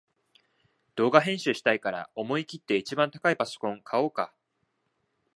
動画編集したいから思いきって一番高いパソコン買おうか